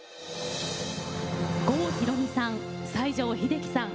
郷ひろみさん